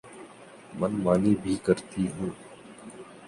من مانی بھی کرتی ہوں۔